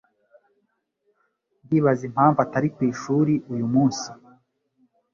Ndibaza impamvu atari ku ishuri uyu munsi.